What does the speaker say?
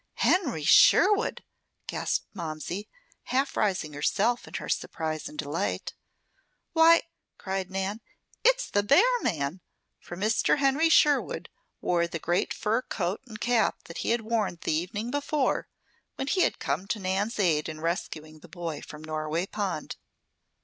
"Henry Sherwood!" gasped Momsey, half rising herself in her surprise and delight. "Why!" cried Nan, "it's the bear man!" for Mr. Henry Sherwood wore the great fur coat and cap that he had worn the evening before when he had come to Nan's aid in rescuing the boy from Norway Pond.